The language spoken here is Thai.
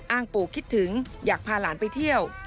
ปู่คิดถึงอยากพาหลานไปเที่ยว